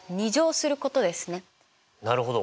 なるほど。